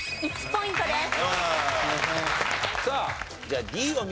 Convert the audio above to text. ２ポイントです。